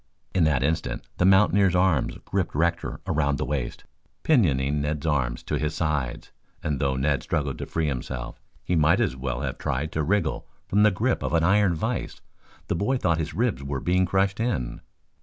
In that instant the mountaineer's arms gripped Rector around the waist, pinioning Ned's arms to his sides, and though Ned struggled to free himself he might as well have tried to wriggle from the grip of an iron vise. The boy thought his ribs were being crushed in.